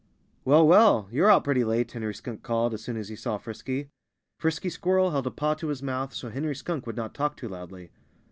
"Well, well! You're out pretty late," Henry Skunk called, as soon as he saw Frisky. Frisky Squirrel held a paw to his mouth, so Henry Skunk would not talk too loudly.